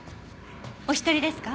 お一人ですか？